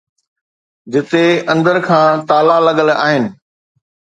جتي اندر کان تالا لڳل آهن